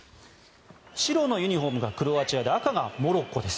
白のユニホームがクロアチアで赤がモロッコです。